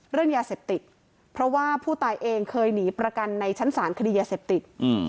เรื่องยาเสพติดเพราะว่าผู้ตายเองเคยหนีประกันในชั้นศาลคดียาเสพติด